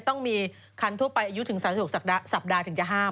ต้องมีคันทั่วไปอายุถึง๓๖สัปดาห์ถึงจะห้าม